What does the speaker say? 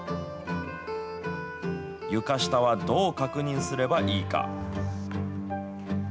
床下はどう確認すればいいか。